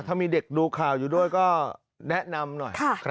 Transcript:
ถ้ามีเด็กดูข่าวอยู่ด้วยก็แนะนำหน่อย